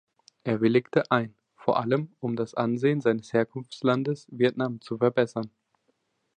Er willigte ein, vor allem um das Ansehen seines Herkunftslandes Vietnam zu verbessern.